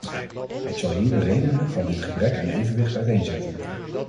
Ik zal hier de redenen van dit gebrek aan evenwicht uiteenzetten.